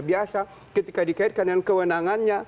biasa ketika dikaitkan dengan kewenangannya